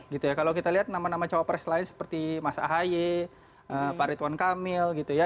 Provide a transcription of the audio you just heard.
gitu ya kalau kita lihat nama nama cawapres lain seperti mas ahaye pak ritwan kamil gitu ya